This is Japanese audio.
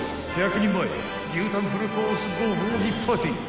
［１００人前牛タンフルコースご褒美パーティー］